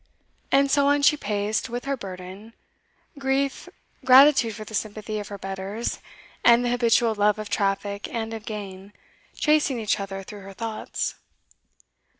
And so on she paced with her burden, grief, gratitude for the sympathy of her betters, and the habitual love of traffic and of gain, chasing each other through her thoughts.